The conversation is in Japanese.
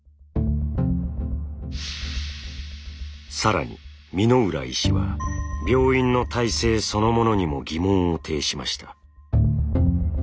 更に箕浦医師は病院の体制そのものにも疑問を呈しました。